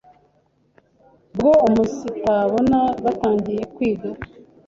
bwo umunsitabona batangiye kwig